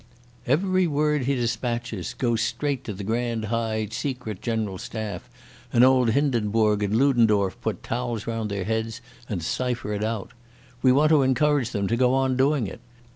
Every word he dispatches goes straight to the Grand High Secret General Staff, and old Hindenburg and Ludendorff put towels round their heads and cipher it out. We want to encourage them to go on doing it.